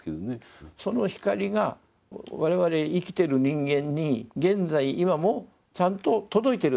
その光が我々生きている人間に現在今もちゃんと届いているんだと。